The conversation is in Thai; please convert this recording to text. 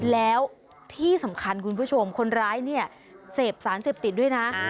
แล้วที่สำคัญคุณผู้ชมคนร้ายเนี่ยเสพสารเสพติดด้วยนะ